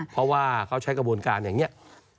เพราะว่าเขาใช้กระบวนการอย่างนี้